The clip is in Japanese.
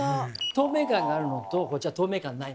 透明感があるのとこっちは透明感ないのと。